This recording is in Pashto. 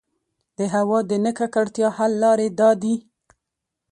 د هـوا د نـه ککـړتيا حـل لـارې دا دي: